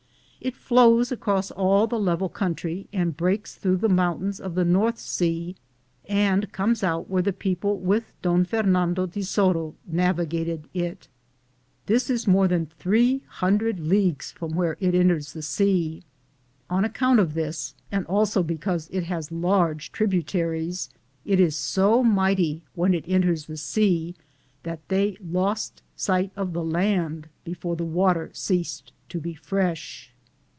It flows across all the level country and breaks through the mountains of the North sea, and comes out where the people with Con Fernando de Soto navigated it. This is more than 300 leagues from where it enters the sea. On account of this, and also because it has large tributaries, it is so mighty when it enters the sea that they lost sight of the land before the water ceased to be fresh.